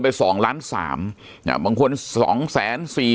ปากกับภาคภูมิ